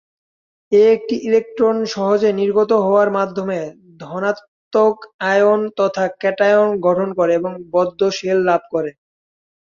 এ একটি ইলেকট্রন সহজেই নির্গত হওয়ার মাধ্যমে ধনাত্মক আয়ন তথা ক্যাটায়ন গঠন করে, এবং বদ্ধ শেল লাভ করে।